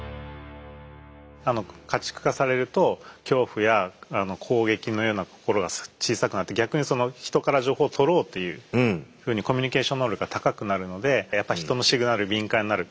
家畜化されると恐怖や攻撃のような心が小さくなって逆に人から情報をとろうというふうにコミュニケーション能力が高くなるのでやっぱ人のシグナルに敏感になる。